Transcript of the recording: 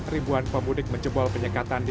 ribuan pemudik menjebol penyekatan di